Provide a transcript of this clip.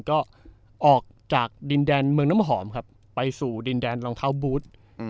ก็ออกจากดินแดนเมืองน้ำหอมครับไปสู่ดินแดนรองเท้าบูธ